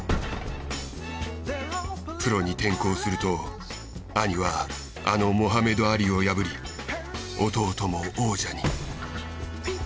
プロに転向すると兄はあのモハメド・アリを破り弟も王者に。